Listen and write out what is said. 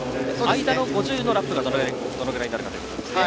間の５０のラップがどのぐらいになるかですね。